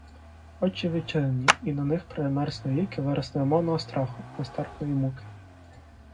Очі відчинені, і на них примерз навіки вираз невимовного страху, нестерпної муки.